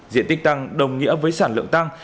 diện tích tăng đồng nghĩa với sản lượng tăng